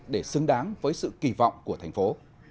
để xứng đáng với sự kỳ vọng của thành phố